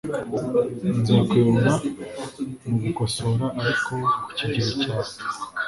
nzakuyobora mugukosora, ariko kukigero cyawe